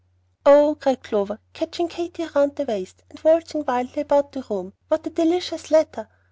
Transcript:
"Oh," cried Clover, catching Katy round the waist, and waltzing wildly about the room, "what a delicious letter!